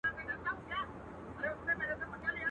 چي يې درې مياشتي د قدرت پر تخت تېرېږي.